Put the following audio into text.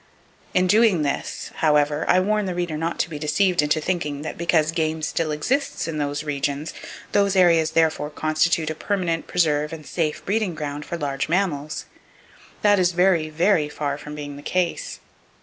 In doing this, however, I warn the reader not to be deceived into thinking that because game still exists in those regions, those areas therefore constitute a permanent preserve and safe breeding ground for large mammals. That is very, very far from being the case.